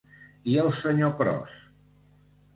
I el senyor Cros?